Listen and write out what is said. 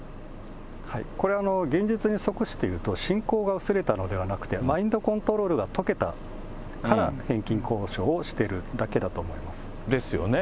これは現実に即して言うと、信仰が薄れたのではなくて、マインドコントロールが解けたから返金交渉をしてるだけだと思いですよね。